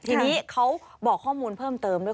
ทีนี้เขาบอกข้อมูลเพิ่มเติมด้วย